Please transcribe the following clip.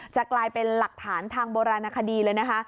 กลายเป็นหลักฐานทางโบราณคดีเลยนะคะ